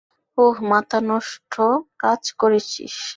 ওহ, মাথানষ্ট কাজ করেছিস।